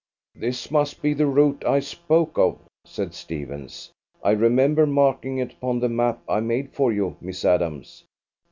"This must be the route I spoke of," said Stephens. "I remember marking it upon the map I made for you, Miss Adams.